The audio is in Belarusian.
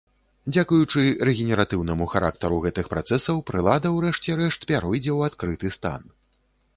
Дзякуючы рэгенератыўнаму характару гэтых працэсаў прылада ў рэшце рэшт пяройдзе ў адкрыты стан.